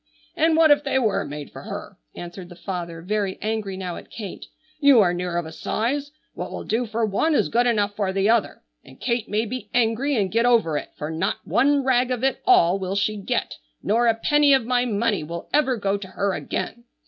"And what if they were made for her?" answered the father, very angry now at Kate. "You are near of a size. What will do for one is good enough for the other, and Kate may be angry and get over it, for not one rag of it all will she get, nor a penny of my money will ever go to her again.